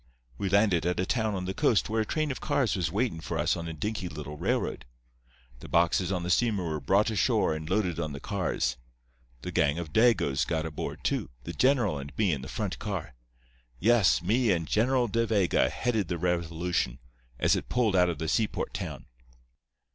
We landed at a town on the coast, where a train of cars was waitin' for us on a dinky little railroad. The boxes on the steamer were brought ashore and loaded on the cars. The gang of Dagoes got aboard, too, the general and me in the front car. Yes, me and General De Vega headed the revolution, as it pulled out of the seaport town.